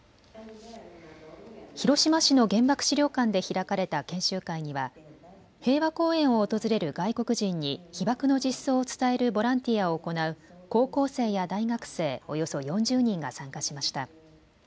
広島市の原爆資料館で開かれた研修会には平和公園を訪れる外国人に被爆の実相を伝えるボランティアを行う高校生や大学生およそ４０人が参加しました。